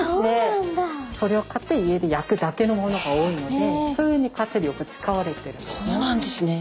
それを買って家で焼くだけのものが多いのでそういうふうに家庭でよく使われてるんです。